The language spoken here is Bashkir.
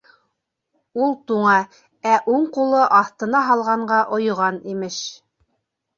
Ул туңа, ә уң ҡулы аҫтына һалғанға ойоған, имеш.